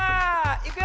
いくよ！